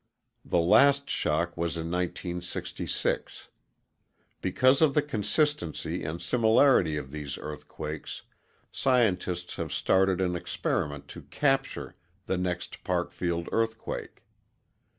The last shock was in 1966. Because of the consistency and similarity of these earthquakes, scientists have started an experiment to ŌĆ£captureŌĆØ the next Parkfield earthquake.